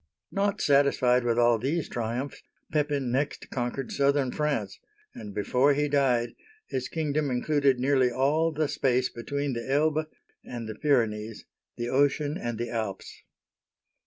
Not satisfied with all these triumphs, Pepin next con quered southern France, and before he died his kingdom included nearly all the space between the Elbe and the Pyrenees, the ocean and the Alps.